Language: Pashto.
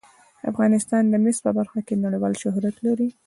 افغانستان د مس په برخه کې نړیوال شهرت لري.